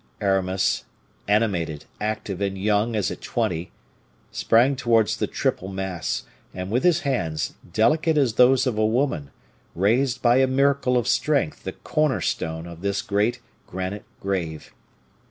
Aramis, animated, active and young as at twenty, sprang towards the triple mass, and with his hands, delicate as those of a woman, raised by a miracle of strength the corner stone of this great granite grave.